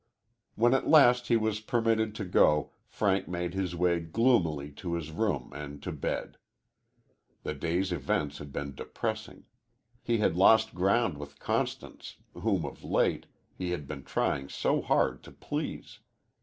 When at last he was permitted to go Frank made his way gloomily to his room and to bed. The day's events had been depressing. He had lost ground with Constance, whom, of late, he had been trying so hard to please.